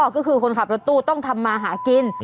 ก็คือคนขับรถตู้ต้องทำมาหากิน